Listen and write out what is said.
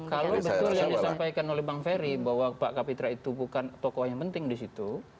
kalau betul yang disampaikan oleh bang ferry bahwa pak kapitra itu bukan tokoh yang penting di situ